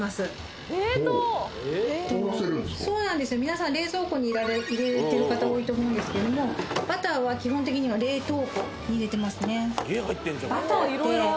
皆さん冷蔵庫に入れてる方多いと思うんですけれどもバターは基本的には冷凍庫に入れてますね